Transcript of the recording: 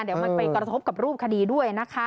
เดี๋ยวมันไปกระทบกับรูปคดีด้วยนะคะ